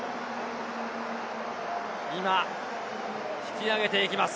今、引き上げていきます。